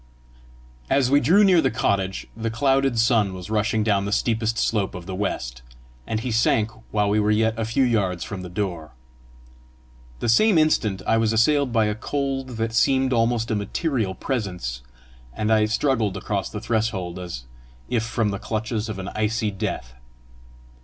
As we drew near the cottage, the clouded sun was rushing down the steepest slope of the west, and he sank while we were yet a few yards from the door. The same instant I was assailed by a cold that seemed almost a material presence, and I struggled across the threshold as if from the clutches of an icy death.